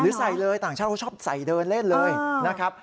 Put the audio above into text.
ใส่เลยต่างชาติเขาชอบใส่เดินเล่นเลยนะครับ